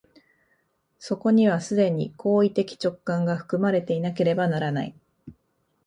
そこには既に行為的直観が含まれていなければならない。